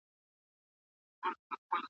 دا توري له ایران نه راوړل شوي دي.